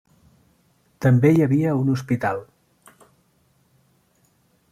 També hi havia un hospital.